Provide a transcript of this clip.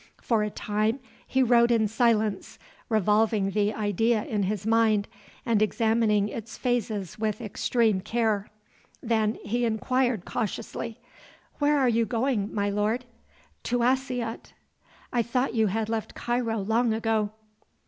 For a time he rode in silence, revolving the idea in his mind and examining its phases with extreme care. Then he inquired, cautiously: "Where are you going, my lord?" "To Assyut." "I thought you had left Cairo long ago."